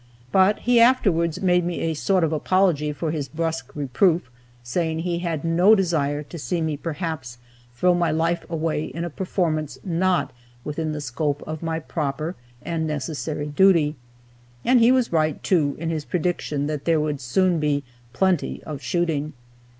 But he afterwards made me a sort of apology for his brusque reproof, saying he had no desire to see me perhaps throw my life away in a performance not within the scope of my proper and necessary duty. And he was right, too, in his prediction, that there would soon be "plenty of shooting."